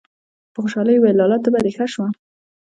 په خوشالي يې وويل: لالا! تبه دې ښه شوه!!!